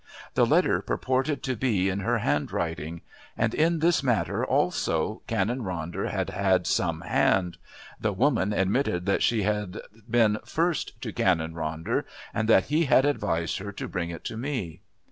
The letter purported to be in her handwriting. And in this matter also Canon Ronder had had some hand. The woman admitted that she had been first to Canon Ronder and that he had advised her to bring it to me."